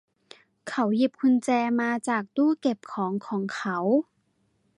เขาหยิบกุญแจมาจากตู้เก็บของของเขา